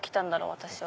私は。